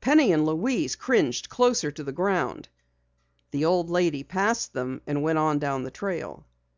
Penny and Louise cringed closer to the ground. The old lady passed them and went on down the trail.